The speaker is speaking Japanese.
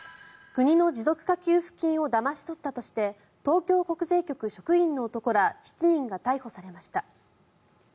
国の持続化給付金をだまし取ったとして東京国税局職員の男ら７人が逮捕されました。